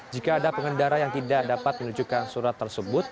jika ada pengendara yang tidak dapat menunjukkan surat tersebut